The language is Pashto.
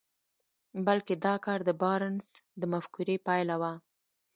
بلکې دا کار د بارنس د مفکورې پايله وه.